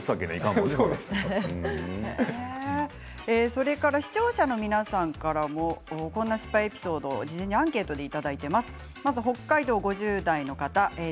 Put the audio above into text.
それから視聴者の皆さんからもこんな失敗エピソード事前にアンケートでいただいています、北海道５０代の方です。